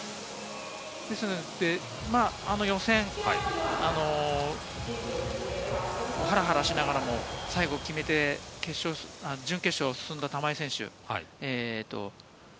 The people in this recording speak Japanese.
予選ハラハラしながらも最後は決めて、準決勝に進んだ玉井選手。